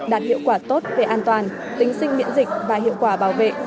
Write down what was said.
đạt hiệu quả tốt về an toàn tính sinh miễn dịch và hiệu quả bảo vệ